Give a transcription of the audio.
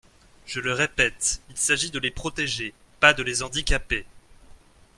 Je le répète : il s’agit de les protéger, pas de les handicaper.